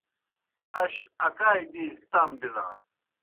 اش اکائے دیزیْ تام بِلان۔